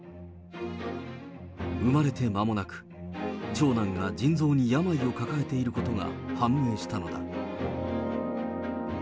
生まれてまもなく、長男が腎臓に病を抱えていることが判明したのだ。